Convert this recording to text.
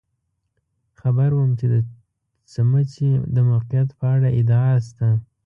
خبر وم چې د څمڅې د موقعیت په اړه ادعا شته.